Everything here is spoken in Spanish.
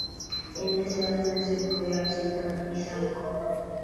En ese año se fue al Central Izalco.